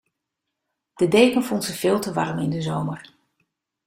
De deken vond ze veel te warm in de zomer.